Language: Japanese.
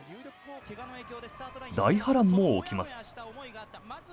大波乱も起きます。